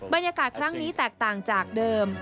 บรรยากาศครั้งนี้แตกต่างจากเดิม